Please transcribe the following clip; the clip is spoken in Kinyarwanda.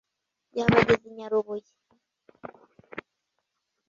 . Yabageza i Nyarubuye.